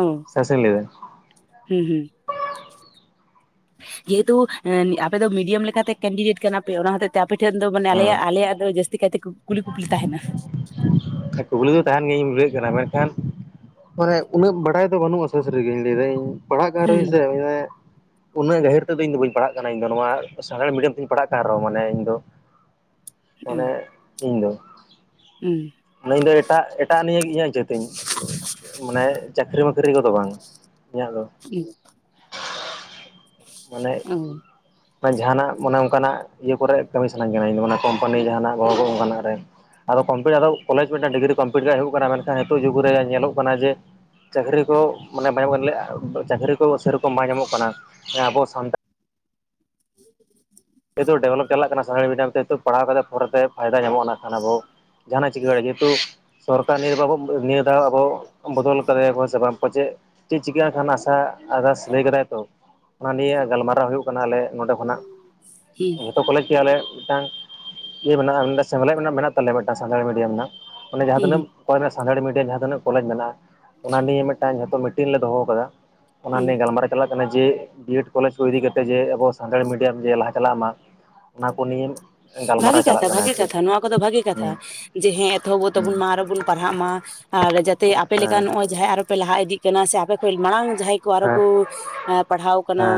ᱚ ᱥᱟᱥᱮᱧ ᱞᱟᱹᱭᱫᱟ ᱦᱮᱸ ᱦᱮᱸ ᱡᱮᱦᱮᱛᱩ ᱟᱯᱮ ᱫᱚ ᱢᱤᱰᱤᱭᱟᱢ ᱞᱮᱠᱟᱛᱮ ᱠᱮᱱᱰᱤᱰᱮᱴ ᱠᱟᱱᱟ ᱯᱮ ᱚᱱᱟ ᱦᱚᱛ ᱟᱯᱮ ᱴᱷᱮᱱ ᱫᱚ ᱢᱟᱱᱮ ᱦᱮᱸ ᱟᱞᱮᱭᱟᱜ ᱟᱞᱮᱭᱟᱜ ᱫᱚ ᱡᱟᱹᱥᱛᱤ ᱠᱟᱭᱛᱮ ᱠᱩᱞᱤ ᱠᱩᱯᱞᱤ ᱛᱟᱦᱮᱱᱟ ᱠᱩᱠᱞᱤ ᱫᱚ ᱛᱟᱦᱮᱱ ᱜᱮᱧ ᱤᱧ ᱵᱩᱡᱷᱟᱹᱜ ᱠᱟᱱᱟ ᱢᱮᱱᱠᱷᱟᱱ ᱢᱟᱱᱮ ᱩᱱᱟᱹᱜ ᱵᱟᱰᱟᱭ ᱫᱚ ᱵᱟᱹᱱᱩᱜ-ᱟ ᱥᱟᱹᱨᱤ ᱥᱟᱹᱨᱤ ᱜᱮᱧ ᱞᱟᱹᱭ ᱫᱟᱹᱧ ᱯᱟᱲᱦᱟᱜ ᱠᱟᱱ ᱨᱮᱦᱚᱧ ᱦᱩᱸ ᱥᱮ ᱩᱱᱟᱹᱜ ᱜᱟᱹᱦᱤᱨ ᱛᱮᱫᱚ ᱤᱧᱫᱚ ᱵᱟᱹᱧ ᱯᱟᱲᱦᱟᱜ ᱠᱟᱱᱟ ᱤᱧᱫᱚ ᱱᱚᱣᱟ ᱥᱟᱱᱛᱟᱞᱤ ᱢᱮᱰᱤᱭᱟᱢ ᱛᱤᱧ ᱯᱟᱲᱦᱟᱜ ᱠᱟᱱ ᱨᱮᱦᱚᱸ ᱢᱟᱱᱮ ᱤᱧ ᱫᱚ ᱦᱩᱸ ᱢᱟᱱᱮ ᱤᱧ ᱫᱚ ᱦᱩᱸ ᱢᱟᱱᱮ ᱤᱧ ᱫᱚ ᱮᱴᱟᱜ ᱮᱴᱟᱜ ᱱᱤᱭᱮ ᱤᱧᱟᱹᱜᱪᱟᱹ ᱛᱤᱧ ᱢᱟᱱᱮ ᱪᱟᱹᱠᱨᱤ ᱱᱟᱹᱠᱨᱤ ᱠᱚᱫᱚ ᱵᱟᱝ ᱤᱧᱟᱹᱜ ᱫᱚ ᱦᱩᱸ ᱢᱟᱱᱮ ᱚ ᱢᱟᱱᱮ ᱡᱟᱦᱟᱱᱟᱜ ᱢᱟᱱᱮ ᱚᱱᱠᱟᱱᱟᱜ ᱤᱭᱟᱹ ᱠᱚᱨᱮ ᱠᱟᱹᱢᱤ ᱥᱟᱱᱟᱧ ᱠᱟᱱᱟ ᱤᱧ ᱫᱚ ᱢᱟᱱᱮ ᱠᱳᱢᱯᱟᱱᱤ ᱡᱟᱦᱟᱱᱟᱜ ᱜᱚᱲᱚ ᱠᱚ ᱚᱱᱠᱟᱱᱟᱜ ᱨᱮ ᱟᱫᱚ ᱠᱚᱢᱯᱞᱤᱴ ᱟᱫᱚ ᱠᱚᱞᱮᱡᱽ ᱢᱤᱫᱴᱟᱝ ᱰᱤᱜᱨᱤ ᱠᱚᱢᱯᱞᱤᱴ ᱦᱩᱭᱩᱜ ᱠᱟᱱᱟ ᱢᱮᱱᱠᱷᱟᱱ ᱱᱤᱛᱚᱜ ᱡᱩᱜᱽ ᱨᱮ ᱧᱮᱞᱚᱜ ᱠᱟᱱᱟ ᱡᱮ ᱪᱟᱹᱠᱨᱤ ᱠᱚ ᱢᱟᱱᱮ ᱵᱟᱝ [unintelligible] ᱪᱟᱹᱠᱨᱤ ᱠᱚ ᱥᱮᱨᱚᱠᱚᱢ ᱵᱟᱝ ᱧᱟᱢᱚᱜ ᱠᱟᱱᱟ ᱟᱵᱚ ᱥᱟᱱᱛᱟᱲ ᱡᱮᱦᱮᱛᱩ ᱰᱮᱵᱷᱞᱚᱯ ᱪᱟᱞᱟᱜ ᱠᱟᱱᱟ ᱥᱟᱱᱟᱲᱤ ᱢᱮᱰᱤᱭᱟᱢ ᱛᱮᱛᱩ ᱯᱟᱲᱦᱟᱣ ᱠᱟᱛᱮ ᱯᱷᱳᱨᱛᱮᱭᱫᱟ ᱧᱟᱢᱚᱜ-ᱟ ᱚᱱᱟ ᱠᱷᱟᱱ ᱟᱵᱚ ᱡᱟᱦᱟᱱᱟ ᱪᱤᱠᱟᱹ ᱡᱮᱦᱮᱛᱩ ᱥᱚᱨᱠᱟᱨ ᱱᱤᱭᱟᱹ ᱵᱟᱵᱚ ᱱᱤᱭᱟᱹ ᱫᱷᱟᱣ ᱟᱵᱚ ᱵᱚᱫᱚᱞ ᱠᱟᱫᱮᱭᱟᱠᱚ ᱥᱮ ᱵᱟᱝᱠᱚ ᱯᱟᱪᱮᱫ ᱪᱮᱫ ᱪᱤᱠᱟᱹᱜ-ᱟ ᱠᱷᱟᱱ ᱟᱥᱟ ᱟᱨᱫᱟᱥ ᱞᱟᱹᱭ ᱠᱟᱫᱟᱭ ᱛᱚ ᱚᱱᱟ ᱱᱤᱭᱮ ᱜᱟᱞᱢᱟᱨᱟᱣ ᱦᱩᱭᱩᱜ ᱠᱟᱱᱟ ᱟᱞᱮ ᱱᱚᱸᱰᱮ ᱠᱷᱚᱱᱟᱜ ᱦᱩᱸ ᱡᱚᱛᱚ ᱠᱚᱞᱮᱡᱽ ᱜᱮ ᱟᱞᱮ ᱢᱤᱫᱴᱟᱝ ᱤᱭᱟᱹ ᱢᱮᱱᱟᱜ-ᱟ ᱥᱮᱢᱞᱮᱫ ᱢᱮᱱᱟᱜ ᱛᱟᱞᱮᱭᱟ ᱢᱤᱫᱴᱟᱝ ᱥᱟᱱᱛᱟᱲᱤ ᱢᱤᱰᱤᱭᱟᱢ ᱨᱮᱱᱟᱜ ᱚᱱᱮ ᱡᱟᱦᱟᱸ ᱦᱩᱸ ᱛᱤᱱᱟᱹᱜ ᱥᱟᱱᱛᱟᱲᱤ ᱢᱤᱰᱤᱭᱟᱢ ᱡᱟᱦᱟᱸ ᱛᱤᱱᱟᱹᱜ ᱠᱚᱞᱮᱡᱽ ᱢᱮᱱᱟᱜ-ᱟ ᱚᱱᱟ ᱱᱤᱭᱮ ᱢᱤᱫᱴᱟᱝ ᱡᱚᱛᱚ ᱡᱮᱴᱤᱱ ᱞᱮ ᱫᱚᱦᱚ ᱟᱠᱟᱫᱟ ᱚᱱᱟ ᱦᱩᱸ ᱱᱤᱭᱟᱹ ᱜᱟᱞᱢᱟᱨᱟᱣ ᱪᱟᱞᱟᱜ ᱠᱟᱱᱟ ᱡᱮ ᱵᱤ ᱮᱰ ᱠᱚᱞᱮᱡᱽ ᱠᱚ ᱤᱫᱤ ᱠᱟᱛᱮ ᱡᱮ ᱟᱵᱚ ᱥᱟᱱᱛᱟᱲᱤ ᱢᱮᱰᱤᱭᱟᱢ ᱡᱮ ᱞᱟᱦᱟ ᱪᱟᱞᱟᱜ ᱢᱟ ᱚᱱᱟ ᱠᱚ ᱱᱤᱭᱮᱢ ᱵᱷᱟᱜᱤ ᱠᱟᱛᱷᱟ ᱵᱷᱟᱜᱤ ᱠᱟᱛᱷᱟ ᱱᱚᱣᱟ ᱠᱚᱫᱚ ᱵᱷᱟᱜᱤ ᱦᱩᱸ ᱠᱟᱛᱷᱟ ᱡᱮ ᱦᱮᱸ ᱮᱛᱚᱦᱚᱵ ᱦᱩᱸ ᱛᱟᱵᱚᱱ ᱢᱟᱨᱵᱚᱱ ᱯᱟᱲᱦᱟᱜ ᱢᱟ ᱟᱨ ᱡᱟᱛᱮ ᱟᱯᱮ ᱞᱮᱠᱟ ᱦᱮᱸ ᱦᱮᱸ ᱱᱚᱜ-ᱚᱭ ᱡᱟᱦᱟᱸᱭ ᱟᱨᱚᱯᱮ ᱞᱟᱦᱟ ᱤᱫᱤᱜ ᱠᱟᱱᱟ ᱥᱮ ᱟᱯᱮ ᱠᱷᱚᱱ ᱢᱟᱲᱟᱝ ᱡᱟᱦᱟᱸᱭ ᱟᱨᱚ ᱦᱮᱸ ᱠᱚ ᱯᱟᱲᱦᱟᱣ ᱟᱠᱟᱱᱟ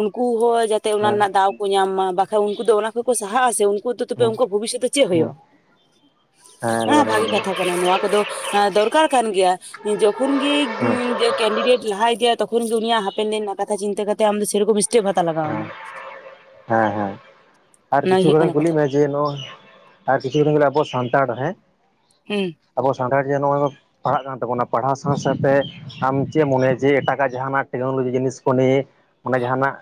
ᱩᱱᱠᱩ ᱦᱚᱸ ᱡᱟᱛᱮ ᱚᱱᱟ ᱨᱮᱱᱟᱜ ᱫᱟᱣ ᱠᱚ ᱧᱟᱢ ᱢᱟ ᱵᱟᱠᱷᱟᱡ ᱩᱱᱠᱩ ᱫᱚ ᱚᱱᱟ ᱠᱷᱚᱡ ᱠᱚ ᱥᱟᱦᱟᱜ ᱟᱥᱮ ᱩᱱ ᱠᱩ ᱦᱮᱸ ᱛᱚᱵᱮ ᱦᱮᱸ ᱩᱱᱠᱩᱣᱟᱜ ᱵᱷᱚᱵᱤᱥᱥᱚᱛ ᱫᱚ ᱪᱮᱫ ᱦᱮᱸ ᱦᱩᱭᱩᱜ-ᱟ ᱦᱮᱸ ᱮᱠᱫᱚᱢ ᱚᱱᱟ ᱮᱠᱫᱚᱢ ᱵᱷᱟᱜᱤ ᱦᱮᱸ ᱠᱟᱛᱷᱟ ᱠᱟᱱᱟ ᱱᱚᱣᱟ ᱠᱚᱫᱚ ᱫᱚᱨᱠᱟᱨ ᱠᱟᱱ ᱜᱮᱭᱟ ᱡᱚᱠᱷᱚᱱ ᱜᱮ [unintelligible] ᱠᱮᱱᱰᱤᱰᱮᱴ ᱞᱟᱦᱟ ᱤᱫᱤᱭᱟᱜ ᱛᱚᱠᱷᱚᱱ ᱜᱮ ᱩᱱᱤᱭᱟᱜ ᱦᱟᱯᱮᱱ ᱫᱤᱱ ᱨᱮᱱᱟᱜ ᱠᱟᱛᱷᱟ ᱪᱤᱱᱟᱹ ᱠᱟᱛᱮ ᱟᱢ ᱥᱮᱨᱚᱠᱚᱢ ᱥᱴᱮᱯ ᱦᱟᱛᱟ ᱦᱮᱸ ᱞᱟᱜᱟᱣᱟᱢᱟ ᱾ ᱦᱮᱸ ᱦᱮᱸ ᱟᱨ ᱚᱱᱟ ᱜᱮ ᱠᱤᱪᱷᱩ ᱦᱩᱭᱩᱜ ᱜᱟᱲᱤᱪ ᱠᱟᱱᱟ ᱤᱧ ᱠᱩᱞᱤ ᱠᱟᱛᱷᱟ ᱢᱮᱭᱟ ᱾ ᱡᱮ ᱱᱚᱣᱟ ᱟᱨ ᱠᱤᱪᱷᱩ ᱟᱵᱚ ᱥᱟᱱᱛᱟᱲ ᱦᱮᱸᱻ ᱾ ᱦᱮᱸ ᱻ ᱾ ᱟᱵᱚ ᱥᱟᱱᱛᱟᱲ ᱡᱮ ᱱᱚᱜ-ᱚᱭ ᱯᱟᱲᱦᱟᱜ ᱠᱟᱱ ᱛᱟᱵᱚᱱᱟ ᱯᱟᱲᱦᱟᱣ ᱥᱟᱶ ᱥᱟᱶᱛᱮ ᱾ ᱟᱢ ᱪᱮᱫ ᱮᱢ ᱢᱚᱱᱮᱭᱟ ᱡᱮ ᱮᱴᱟᱜᱟᱜ ᱡᱟᱦᱟᱱᱟᱜ ᱴᱮᱠᱱᱳᱞᱚᱡᱤ ᱡᱤᱱᱤᱥ ᱠᱚ ᱱᱤᱭᱮ ᱚᱱᱮ ᱡᱟᱦᱟᱱᱟᱜ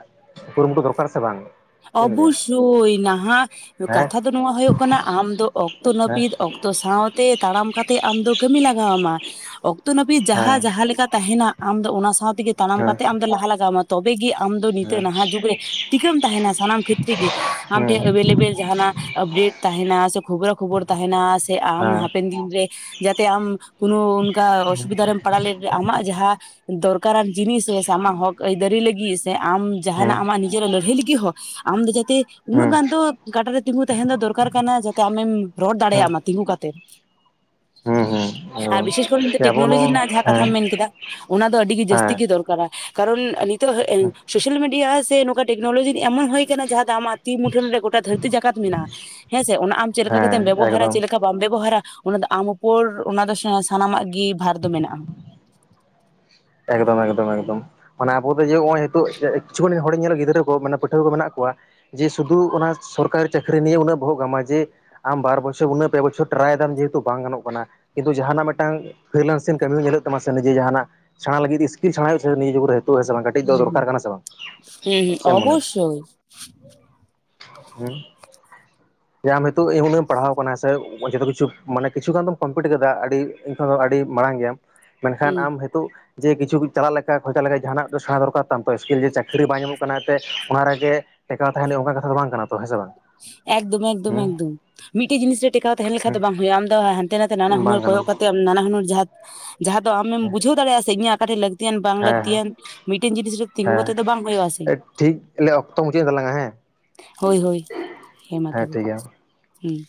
ᱠᱩᱨᱩᱢᱩᱴᱩ ᱫᱚᱨᱠᱟᱨ ᱥᱮ ᱵᱟᱝ ᱾ ᱚᱵᱚᱥᱳᱭ ᱱᱟᱦᱟ ᱾ ᱦᱮᱸ ᱠᱟᱛᱷᱟ ᱫᱚ ᱱᱚᱶᱟ ᱦᱳᱭᱳᱜ ᱠᱟᱱᱟ ᱟᱢᱫᱚ ᱚᱠᱛᱚ ᱦᱮᱸ ᱱᱟᱹᱯᱤᱛ ᱚᱠᱛᱚ ᱥᱟᱶ ᱾ ᱛᱮ ᱛᱟᱲᱟᱢ ᱠᱟᱛᱮ ᱟᱢ ᱫᱚ ᱠᱟᱹᱢᱤ ᱞᱟᱜᱟᱣ ᱟᱢᱟ ᱚᱠᱛᱚ ᱱᱟᱹᱯᱤᱛ ᱡᱟᱦᱟᱸ ᱦᱮᱸ ᱡᱟᱦᱟᱸ ᱞᱮᱠᱟ ᱛᱟᱦᱮᱱᱟ ᱾ ᱟᱢᱫᱚ ᱚᱱᱟ ᱥᱟᱶ ᱛᱮᱜᱮ ᱛᱟᱲᱟᱢ ᱦᱮᱸ ᱠᱟᱛᱮ ᱞᱟᱦᱟ ᱞᱟᱜᱟᱣᱢᱟ ᱛᱚᱵᱮ ᱜᱮ ᱟᱢ ᱫᱚ ᱱᱤᱛ ᱱᱟᱦᱟᱜ ᱡᱩᱜᱽ ᱨᱮ ᱴᱤᱠᱟᱹᱢ ᱛᱟᱦᱮᱱᱟ ᱥᱟᱱᱟᱢ ᱠᱷᱮᱛᱨᱮ ᱜᱮ ᱟᱢ ᱦᱮᱸ ᱴᱷᱮᱡ ᱦᱮᱸ ᱦᱮᱸ ᱦᱮᱸ ᱮᱵᱮᱞᱮᱵᱮᱞ ᱡᱟᱦᱱᱟᱜ ᱟᱯᱰᱮᱴ ᱛᱟᱦᱮᱱᱟ ᱥᱮ ᱠᱷᱚᱵᱨᱟ ᱠᱷᱚᱵᱚᱨ ᱛᱟᱦᱮᱱᱟ ᱥᱮ ᱟᱢ ᱦᱟ ᱦᱟᱯᱮᱱ ᱫᱤᱱ ᱨᱮ ᱡᱟᱛᱮ ᱟᱢ ᱠᱳᱱᱳ ᱚᱱᱠᱟ ᱚᱥᱩᱵᱤᱫᱷᱟ ᱨᱮᱢ ᱯᱟᱲᱟᱣ ᱞᱮᱱ ᱟᱢᱟᱜ ᱡᱟᱦᱟᱸ ᱫᱚᱨᱠᱟᱨᱟᱱ ᱡᱤᱱᱤᱥ ᱥᱮ, ᱥᱮ ᱟᱢᱟᱜ ᱦᱚᱠ ᱟᱹᱭᱫᱟᱹᱨᱤ ᱞᱟᱹᱜᱤᱫ ᱥᱮ ᱟᱢ ᱡᱟᱦᱱᱟᱜ ᱟᱢᱟᱜ ᱱᱤᱡᱮᱨ ᱞᱟᱹᱲᱦᱟᱹᱭ ᱞᱟᱹᱜᱤᱫ ᱠᱤ ᱦᱚ ᱟᱢ [unintelligible] ᱡᱟᱛᱮ ᱩᱱᱟᱹᱜ ᱜᱟᱱ ᱫᱚ ᱜᱟᱴᱟᱨᱮ ᱛᱤᱸᱜᱩ ᱛᱟᱦᱮᱱ ᱫᱚ ᱫᱚᱨᱠᱟᱨ ᱠᱟᱱᱟ ᱡᱟᱛᱮ ᱟᱢᱮᱢ ᱨᱚᱲ ᱫᱟᱲᱮᱭᱟᱜ ᱢᱟ ᱛᱤᱸᱜᱩ ᱠᱟᱛᱮᱫ [inaudible] ᱦᱮᱸ ᱟᱨ ᱮᱠᱫᱚᱢ ᱵᱤᱥᱮᱥ ᱠᱚᱨᱮ ᱟᱵᱚ ᱴᱮᱠᱱᱳᱞᱚᱡᱤ ᱱᱚᱣᱟ ᱨᱮᱱᱟᱜ ᱡᱟᱦᱟᱸ ᱦᱮᱸ ᱠᱟᱛᱷᱟᱢ ᱢᱮᱱ ᱠᱮᱫᱟ ᱚᱱᱟ ᱫᱚ ᱟᱹᱰᱤ ᱜᱮ ᱡᱟᱹᱥᱛᱤ ᱦᱮᱸ ᱜᱮ ᱫᱚᱨᱠᱟᱨᱟ ᱠᱟᱨᱚᱱ ᱱᱤᱛᱚᱜ ᱥᱳᱥᱟᱞ ᱢᱤᱰᱤᱭᱟ ᱥᱮ ᱱᱚᱝᱠᱟ ᱴᱮᱠᱱᱳᱞᱚᱡᱤ ᱮᱢᱚᱱ ᱦᱩᱭ ᱟᱠᱟᱱᱟᱱᱟ ᱡᱟᱦᱟᱸ ᱫᱚ ᱟᱢᱟᱜ ᱛᱤ ᱢᱩᱴᱷᱟᱹᱱ ᱨᱮ ᱜᱚᱴᱟ ᱫᱷᱟᱹᱨᱛᱤ ᱡᱟᱠᱟᱛ ᱢᱮᱱᱟᱜᱼᱟ ᱦᱮᱸᱥᱮ ᱚᱱᱟ ᱟᱢ ᱪᱮᱫ ᱞᱮᱠᱟ ᱦᱮᱸ ᱠᱟᱛᱮᱢ ᱵᱮᱵᱚᱦᱟᱨᱟ ᱮᱠᱫᱚᱢ ᱪᱮᱫ ᱞᱮᱠᱟ ᱵᱟᱢ ᱵᱮᱵᱚᱦᱟᱨᱟ ᱚᱱᱟ ᱟᱢ ᱩᱯᱚᱨ ᱚᱱᱟ ᱫᱚ ᱥᱟᱱᱟᱢᱟᱜ ᱜᱮ ᱵᱷᱟᱨ ᱫᱚ ᱢᱮᱱᱟᱜᱼᱟ ᱮᱠᱫᱚᱢ ᱮᱠᱫᱚᱢ ᱮᱠᱫᱚᱢ ᱢᱟᱱᱮ ᱟᱵᱚ ᱡᱮ ᱱᱚᱜ-ᱚᱭ ᱱᱤᱛᱚᱜ ᱠᱤᱪᱷᱩ ᱜᱟᱱ ᱦᱚᱲ ᱧᱮᱞ ᱜᱤᱫᱽᱨᱟᱹ ᱢᱟᱱᱮ ᱯᱟᱹᱴᱷᱩᱣᱟᱹ ᱠᱚ ᱢᱮᱱᱟᱜ ᱠᱚᱣᱟ ᱾ ᱡᱮ ᱥᱩᱫᱷᱩ ᱚᱱᱟ ᱥᱚᱨᱠᱟᱨᱤ ᱪᱟᱹᱠᱨᱤ ᱱᱤᱭᱮ ᱩᱱᱟᱹᱜ ᱵᱚᱦᱚᱜ ᱜᱷᱟᱢᱟ ᱡᱮ ᱟᱢ ᱵᱟᱨ ᱵᱚᱪᱷᱚᱨ ᱩᱱᱟᱹᱜ ᱯᱮ ᱵᱚᱪᱷᱚᱨ ᱴᱨᱟᱭ ᱫᱟᱢ ᱡᱮᱦᱮᱛᱩ ᱵᱟᱝ ᱜᱟᱱᱚᱜ ᱠᱟᱱᱟ ᱠᱤᱱᱛᱩ ᱡᱟᱦᱟᱱᱟᱜ ᱢᱤᱫᱴᱟᱝ ᱯᱷᱨᱤᱞᱟᱱᱥᱮᱱ ᱠᱟᱹᱢᱤ ᱧᱮᱞ ᱦᱩᱭᱩᱜ ᱛᱟᱢᱟ ᱥᱮ ᱱᱤᱡᱮ ᱡᱟᱦᱟᱱᱟᱜ ᱥᱮᱬᱟ ᱞᱟᱹᱜᱤᱫ ᱤᱥᱠᱤᱞ ᱥᱮᱬᱟ ᱦᱩᱭᱩᱜ ᱥᱮ ᱱᱤᱭᱟᱹ ᱡᱩᱜᱽ ᱨᱮ ᱦᱩᱸᱥᱮ ᱵᱟᱝ ᱠᱟᱹᱴᱤᱡ ᱫᱚ ᱦᱩᱸ ᱫᱚᱨᱠᱟᱨ ᱦᱩᱸ ᱠᱟᱱᱟ ᱥᱮ ᱵᱟᱝ ᱦᱩᱸ ᱪᱮᱢ ᱢᱚᱱᱮ [unintelligible] [unintelligible] ᱡᱮ ᱟᱢ ᱱᱤᱛᱚᱜ ᱩᱱᱟᱜ ᱮᱢ ᱯᱟᱲᱦᱟᱣ ᱟᱠᱟᱱᱟ ᱥᱮ ᱡᱚᱛᱚ ᱠᱤᱪᱷᱩ ᱢᱟᱱᱮ ᱠᱤᱪᱷᱩ ᱜᱟᱱ ᱫᱚᱢ ᱠᱚᱢᱯᱤᱴ ᱠᱮᱫᱟ ᱟᱹᱰᱤ ᱤᱧ ᱠᱷᱚᱱ ᱫᱚ ᱟᱹᱰᱤ ᱢᱟᱲᱟᱝ ᱜᱮᱭᱟᱢ ᱢᱮᱱᱠᱷᱟᱱ ᱦᱩᱸ ᱟᱢ ᱱᱤᱛᱚᱜ ᱡᱮ ᱠᱤᱪᱷᱩ ᱪᱟᱞᱟᱜ ᱞᱮᱠᱟ ᱠᱷᱚᱨᱪᱟ ᱞᱮᱠᱟ ᱡᱟᱦᱟᱱᱟᱜ ᱫᱚ ᱥᱮᱬᱟ ᱫᱚᱨᱠᱟᱨ ᱛᱟᱢ ᱛᱚ ᱥᱠᱤᱞ ᱡᱮ ᱪᱟᱹᱠᱨᱤ ᱵᱟᱝ ᱧᱟᱢᱚᱜ ᱠᱟᱱᱟ ᱮᱱᱛᱮᱫ ᱚᱱᱟ ᱨᱮᱜᱮ ᱴᱮᱠᱟᱣ ᱛᱟᱦᱮᱸᱱ ᱚᱱᱠᱟ ᱠᱟᱛᱷᱟ ᱫᱚ ᱵᱟᱝ ᱠᱟᱱᱟ ᱛᱚ ᱦᱮᱸᱥᱮ ᱵᱟᱝ ᱮᱠᱫᱚᱢ ᱮᱠᱫᱚᱢ ᱦᱩᱸ ᱮᱠᱫᱚᱢ ᱢᱤᱫᱴᱤ ᱡᱤᱱᱤᱥ ᱨᱮ ᱴᱮᱠᱟᱣ ᱛᱟᱦᱮᱱᱠᱷᱟᱱ ᱫᱚ ᱵᱟᱝ ᱦᱳᱭᱼᱟ, ᱟᱢ ᱫᱚ ᱦᱟᱱᱛᱮ ᱱᱟᱱᱛᱮ ᱦᱩᱸ ᱱᱟᱱᱟᱦᱩᱱᱟᱹᱨ ᱵᱟᱝ ᱠᱟᱱᱟ ᱠᱚᱭᱚᱜ ᱠᱟᱛᱮ ᱱᱟᱱᱟ ᱦᱩᱹᱱᱚᱨ ᱡᱟᱦᱟᱸ ᱡᱟᱦᱟᱸ ᱫᱚ ᱟᱢᱮᱢ ᱵᱩᱡᱟᱹᱣ ᱫᱟᱲᱮᱭᱟᱜᱼᱟ ᱥᱮ ᱤᱧᱟᱹᱜ ᱟᱠᱟᱴᱷᱮ ᱞᱟᱠᱛᱤ ᱞᱟᱹᱠᱛᱤᱭᱟᱱ ᱵᱟᱝ ᱦᱮᱸ ᱞᱟᱹᱠᱛᱤᱭᱟᱱ ᱢᱤᱫᱴᱮᱱ ᱡᱤᱱᱤᱥ ᱨᱮ ᱛᱤᱸᱜᱩ ᱦᱮᱸ ᱠᱟᱛᱮᱜ ᱫᱚ ᱵᱟᱝ ᱦᱩᱭᱩᱜ ᱟᱥᱮ ᱦᱮᱸ ᱴᱷᱤᱠ ᱞᱮ ᱚᱠᱛᱚ ᱢᱩᱪᱟᱹᱫ ᱮᱱ ᱛᱟᱞᱟᱝᱟ ᱦᱮᱸ ᱦᱳᱭ ᱦᱳᱭ ᱦᱮᱸ ᱢᱟ ᱛᱚᱵᱮ ᱴᱷᱤᱠ ᱜᱮᱭᱟ ᱦᱮᱸ